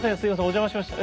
お邪魔しました。